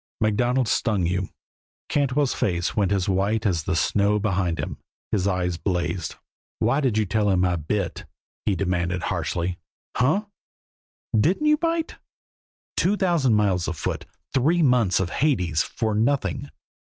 MacDonald stung you." Cantwell's face went as white as the snow behind him, his eyes blazed. "Why did you tell him I bit?" he demanded harshly. "Hunh! Didn't you bite? Two thousand miles afoot; three months of Hades; for nothing.